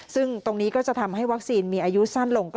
ซึ่งตรงนี้ก็จะทำให้วัคซีนมีอายุสั้นลง